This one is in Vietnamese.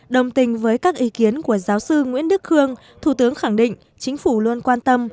đồng tình với các ý kiến của giáo sư nguyễn đức khương thủ tướng khẳng định chính phủ luôn quan tâm